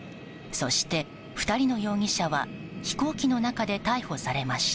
そして、２人の容疑者は飛行機の中で逮捕されました。